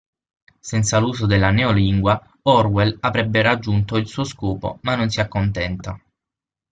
Senza l'uso della Neolingua, Orwell avrebbe raggiunto il suo scopo ma non si accontenta.